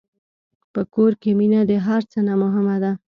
په کور کې مینه د هر څه نه مهمه ده.